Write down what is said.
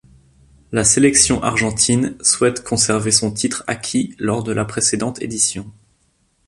La sélection argentine souhaite conserver son titre acquis lors de la précédente édition.